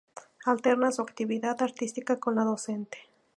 Alterna su actividad artística con la docente.